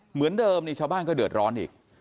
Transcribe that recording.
เหมือนเดิมนี่ชาวบ้านก็เดือดร้อนอีก